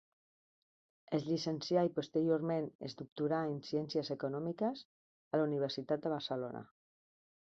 Es llicencià i posteriorment es doctorà en Ciències Econòmiques a la Universitat de Barcelona.